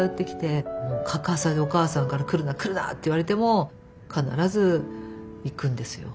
お母さんから「来るな来るな」って言われても必ず行くんですよ。